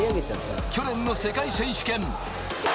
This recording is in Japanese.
去年の世界選手権。